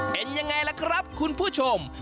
เป็นยังไงล่ะครับคุณผู้ชม